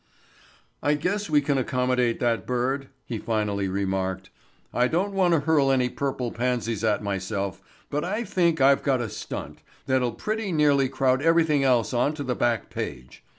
"I guess we can accommodate that bird," he finally remarked. "I don't want to hurl any purple pansies at myself, but I think I've got a stunt that'll pretty nearly crowd everything else on to the back page.